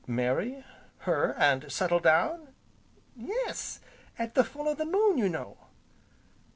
"Marry her, and settle down?" "Yes, at the full o' the moon, you know."